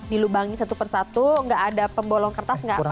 dilubangi satu persatu gak ada pembolong kertas gak apa apa